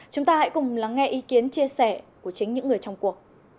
chúng ta hãy cùng lắng nghe ý kiến chia sẻ của chính những người trong cuộc